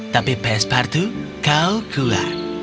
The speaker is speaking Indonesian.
tapi pes partu kau kuat